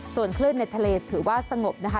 ส่วนคลื่นในทะเลถือว่าสงบนะคะ